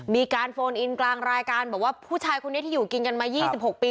มีการโฟนอินกลางรายการบอกว่าผู้ชายคนนี้ที่อยู่กินกันมายี่สิบหกปี